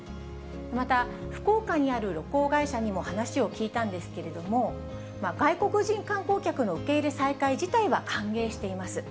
また福岡にある旅行会社にも話を聞いたんですけれども、外国人観光客の受け入れ再開自体は歓迎しています。